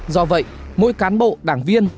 do vậy mỗi cán bộ đảng viên